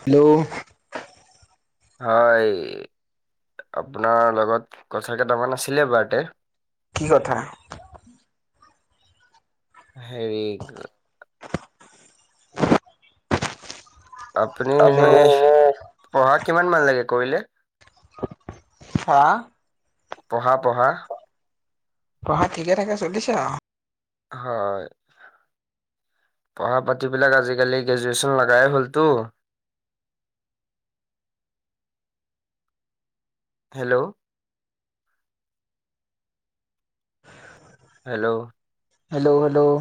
hello হয় আপোনাৰ লগত কচাল কেইটামান আছিলে বাৰতে কি কথা হেৰি আপুনি এনেই পঢ়া কিমান মান লাগে কৰিলে হা পঢ়া পঢ়া অ ঠিকে ৰাকা চলিছা হয় পঢ়া পাতিবিলাক আজিকালি গ্ৰেজুৱেশ্যন লগাই হ'লতো [unintelligible] হেল্ল' হেল্ল' হেল্ল' হেল্ল'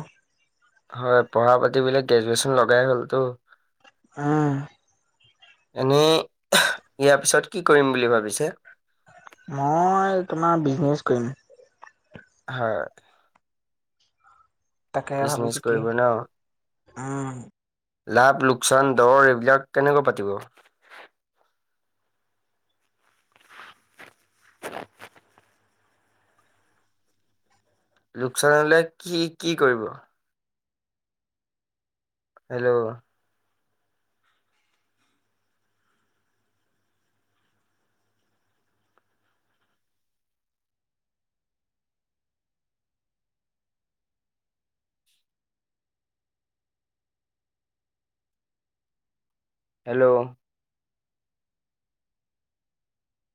হয় পঢ়া পাতিবিললে গ্ৰেজুৱেচন লগাই ললুটো আহ এনেই ইয়াৰ পিছত কি কৰিম বুলি ভাবিছে মই তোমাৰ বিজনেচ কৰিম হয় বিজনেচ কৰিবি ন লাভ লোকচান দৰ এইবিলাক কেনেকৈ পাতিব লোকচান হলে কি কি কৰিব হেল্ল' হেল্ল'